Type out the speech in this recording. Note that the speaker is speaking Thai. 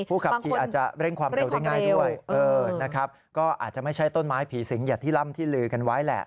ขับขี่อาจจะเร่งความเร็วได้ง่ายด้วยนะครับก็อาจจะไม่ใช่ต้นไม้ผีสิงอย่างที่ร่ำที่ลือกันไว้แหละ